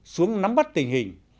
xuống nắm bắt tình hình